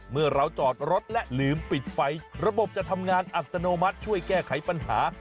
เมื่อเราจอดรถและลืมปิดไฟระบบจะทำงานอัตโนมัติช่วยแก้ไขปัญหา